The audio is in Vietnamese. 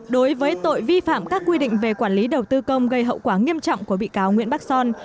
đối với tội vi phạm các quy định về quản lý đầu tư công gây hậu quả nghiêm trọng của bị cáo nguyễn bắc son